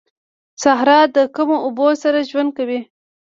صحرا د کمو اوبو سره ژوند کوي